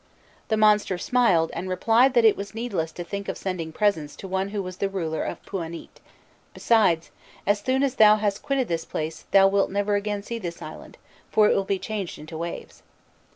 The monster smiled, and replied that it was needless to think of sending presents to one who was the ruler of Pûanît; besides, "as soon as thou hast quitted this place, thou wilt never again see this island, for it will be changed into waves."